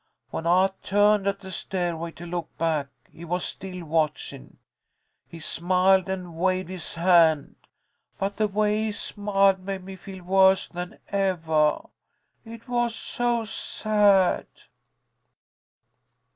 When I turned at the stairway to look back, he was still watchin'. He smiled and waved his hand, but the way he smiled made me feel worse than evah, it was so sad."